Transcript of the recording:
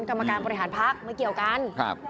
กรรมการบริหารภาคมาเกี่ยวกัน